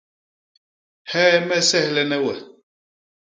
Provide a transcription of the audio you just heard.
Hee me sehlene we?